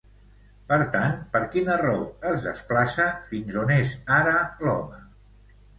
Per tant, per quina raó es desplaça fins on és ara, l'home?